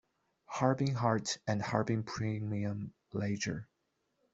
"Harbin Heart" and "Harbin Premium Lager".